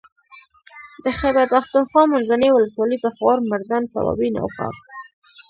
د خېبر پښتونخوا منځنۍ ولسوالۍ پېښور مردان صوابۍ نوښار